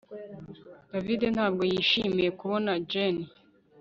David ntabwo yishimiye kubona Jane